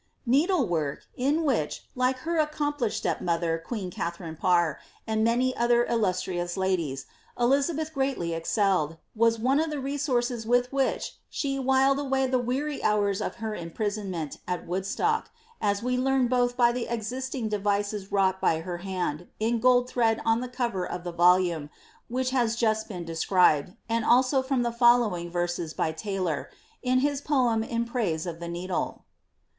Needle work, in which, like her accomplished stepmother, queea Katliarine Parr, and many other illustrious ladies, Elizabeth greatly ex celled, was one of the resources with which she wiled away the weary hours of her imprisonment at Woodstock, as we learn both by the ex isting devices wrought by her hand, in gold thread on the cover of ihe volume, which has just been described, and also from the following verses, by Taylor, in his poem in praise of the needle.